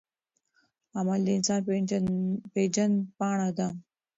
عمل د انسان پیژندپاڼه ده.